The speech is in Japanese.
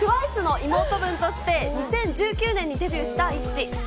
ＴＷＩＣＥの妹分として、２０１９年にデビューしたイッチ。